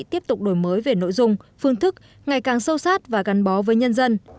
tiếp tục đổi mới về nội dung phương thức ngày càng sâu sát và gắn bó với nhân dân